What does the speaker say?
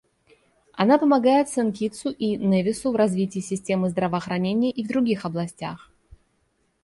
Она помогает Сент-Китсу и Невису в развитии системы здравоохранения и в других областях.